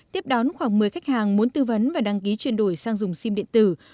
tiếp đón khoảng một mươi khách hàng muốn tư vấn và đăng ký chuyển đổi sang dùng sim điện tử